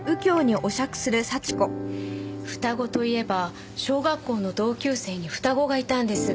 双子といえば小学校の同級生に双子がいたんです。